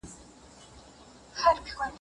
آیا د وچو مېوو پلورونکي له خپلو عایداتو راضي دي؟.